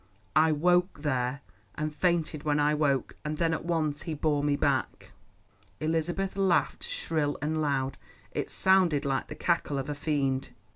I awoke there, and fainted when I woke, and then at once he bore me back." Elizabeth laughed shrill and loud—it sounded like the cackle of a fiend.